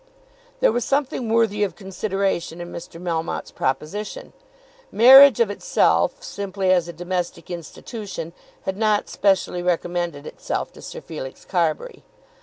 There was something worthy of consideration in Mr. Melmotte's proposition. Marriage of itself, simply as a domestic institution, had not specially recommended itself to Sir Felix Carbury.